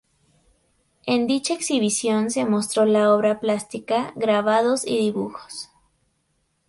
En dicha exhibición se mostró la obra plástica, grabados y dibujos.